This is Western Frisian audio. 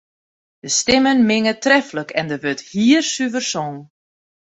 De stimmen minge treflik en der wurdt hiersuver songen.